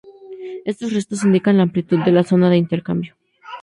Estos restos indican la amplitud de la zona de intercambio.